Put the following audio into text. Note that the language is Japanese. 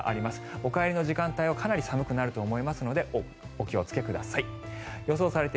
お帰りの時間帯はかなり寒くなると思いますのでお気をつけください。